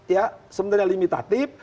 ya sebenarnya limitatif